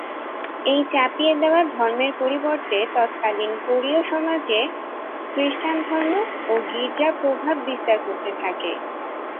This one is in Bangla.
এই চাপিয়ে দেয়া ধর্মের পরিবর্তে ততকালীন কোরীয় সমাজে খ্রিস্টান ধর্ম ও গীর্জা প্রভাব বিস্তার করতে থাকে।